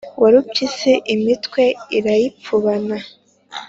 Warupyisi imitwe irayipfubana